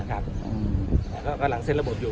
แล้วก็ก่อนหลังเสร็จระบบอยู่